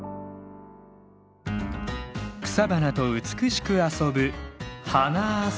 草花と美しく遊ぶ「花遊美」